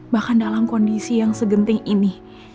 bahkan dalam kondisi yang segenting ini